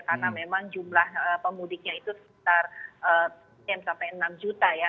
karena memang jumlah pemudiknya itu sekitar enam juta ya